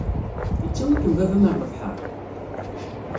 Yettawi-kem baba-m ɣer lebḥer?